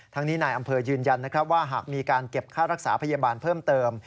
ทั้งนี้นายอำเภอยืนยันนะครับว่าหากมีการเก็บค่ารักษาพยาบาลเพิ่มเติม